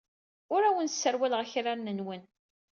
Ur awen-sserwaleɣ akraren-nwen.